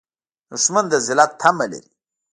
دښمن د ذلت تمه لري